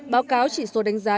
báo cáo chỉ số đánh giá